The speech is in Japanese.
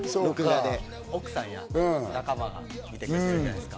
奥さんや仲間が見てくれてるんじゃないですか？